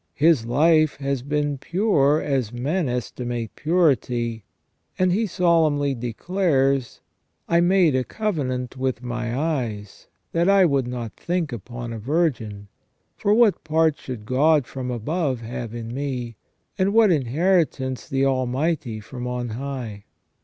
His life has been pure as men estimate purity. And he solemnly declares :" I made a covenant with my eyes, that I would not think upon a virgin. For what part should God from above have in me, and what inheritance the Almighty from on high